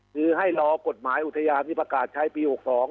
คือให้รอกฎหมายอุทยานที่ประกาศใช้ปี๖๒